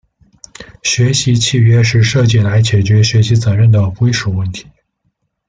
学习契约是设计来解决学习责任的归属问题。